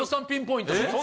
ピンポイントで？